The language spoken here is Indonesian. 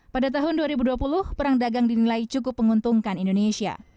pada tahun dua ribu dua puluh perang dagang dinilai cukup menguntungkan indonesia